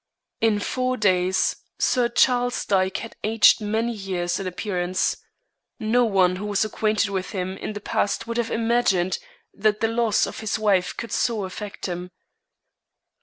In four days Sir Charles Dyke had aged many years in appearance. No one who was acquainted with him in the past would have imagined that the loss of his wife could so affect him.